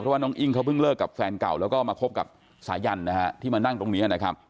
ว่าน้องอิ้งเขาเพิ่งเลิกกับแฟนเก่าแล้วก็มาคบกับสายันนะฮะที่มานั่งตรงนี้นะครับ